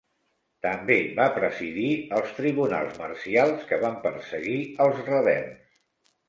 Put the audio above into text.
També va presidir els tribunals marcials que van perseguir als rebels.